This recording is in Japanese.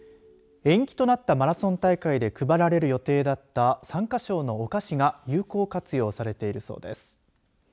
延期となったマラソン大会で配られる予定だった参加賞のお菓子が有効活用されているそうです。